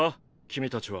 君たちは。